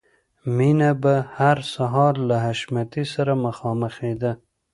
مینه به هر سهار له حشمتي سره مخامخېده